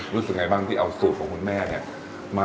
รู้สึกไงบ้างที่เอาสูตรของคุณแม่เนี่ย